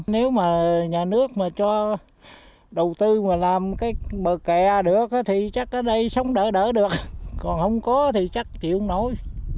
nếu mà nhà nước mà cho đầu tư mà làm cái bờ kè được thì chắc ở đây sống đỡ đỡ được còn không có thì chắc chịu nổi